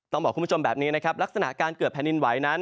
บอกคุณผู้ชมแบบนี้นะครับลักษณะการเกิดแผ่นดินไหวนั้น